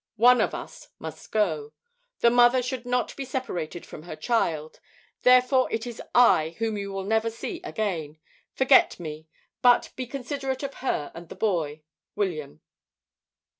One of us must go. The mother should not be separated from her child. Therefore it is I whom you will never see again. Forget me, but be considerate of her and the boy. "WILLIAM."